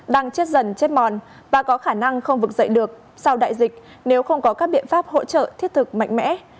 đang chết dần chết mòn và có khả năng không vực dậy được sau đại dịch nếu không có các biện pháp hỗ trợ thiết thực mạnh mẽ